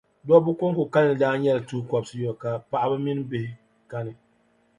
dɔbba kɔŋko kalinli daa nyɛla tuh’ kɔbisiyɔbu, ka paɣiba mini bihi kani.